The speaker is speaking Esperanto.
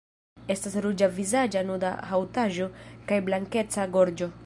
Estas ruĝa vizaĝa nuda haŭtaĵo kaj blankeca gorĝo.